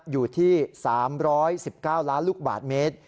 อยู่ที่๓๑๙ล้านลูกบาทเมตร